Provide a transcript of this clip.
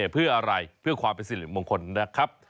เพื่ออะไรเพื่อความเป็นสิริมงคลนะครับ